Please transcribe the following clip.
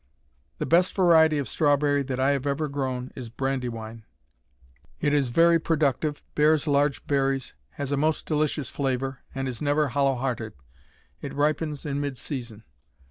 The best variety of strawberry that I have ever grown is Brandywine. It is very productive, bears large berries, has a most delicious flavor, and is never hollow hearted. It ripens in mid season.